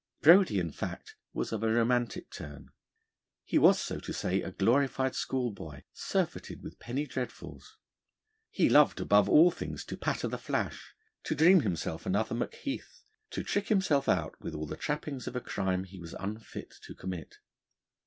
Brodie, in fact, was of a romantic turn. He was, so to say, a glorified schoolboy, surfeited with penny dreadfuls. He loved above all things to patter the flash, to dream himself another Macheath, to trick himself out with all the trappings of a crime he was unfit to commit.